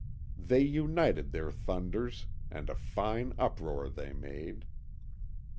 They united their thunders, and a fine uproar they made.